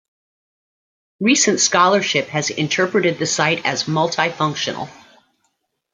Recent scholarship has interpreted the site as multi-functional.